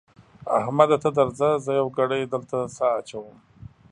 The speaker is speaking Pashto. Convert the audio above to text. احمده ته درځه؛ زه يوه ګړۍ دلته سا اچوم.